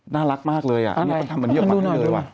น่ารักมากเลยทำแบบนี้มาให้คุณเลย